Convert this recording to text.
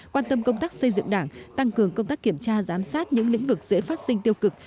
quan tâm công tác xây dựng đảng tăng cường công tác kiểm tra giám sát những lĩnh vực dễ phát sinh tiêu cực